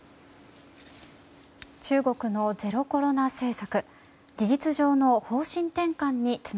中国のゼロコロナ政策。